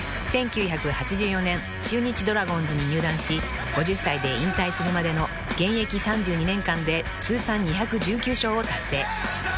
［１９８４年中日ドラゴンズに入団し５０歳で引退するまでの現役３２年間で通算２１９勝を達成］